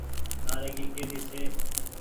نآريگي ڪي ري ڇي۔